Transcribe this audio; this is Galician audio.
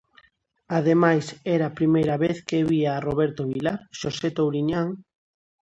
Ademais, era a primeira vez que vía a Roberto Vilar, Xosé Touriñán...